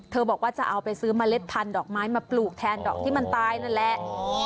บอกว่าจะเอาไปซื้อเมล็ดพันธอกไม้มาปลูกแทนดอกที่มันตายนั่นแหละ